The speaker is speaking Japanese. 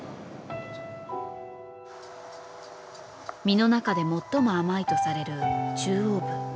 身の中で最も甘いとされる中央部。